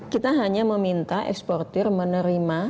kita hanya meminta eksportir menerima